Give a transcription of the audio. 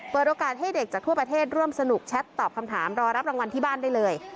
เปิดโอกาสให้เด็กจากทั่วประเทศร่วมสนุกแชทตอบคำถามรอรับรางวัลที่บ้านได้เลย